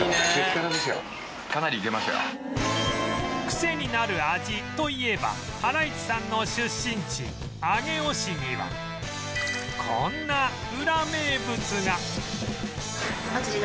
クセになる味といえばハライチさんの出身地上尾市にはこんなウラ名物が